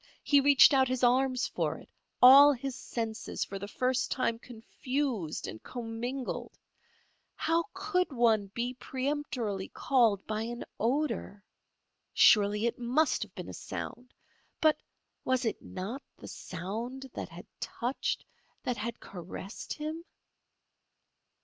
He reached out his arms for it, all his senses for the time confused and commingled. How could one be peremptorily called by an odour? Surely it must have been a sound. But, was it not the sound that had touched, that had caressed him?